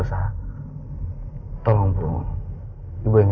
saya beri pak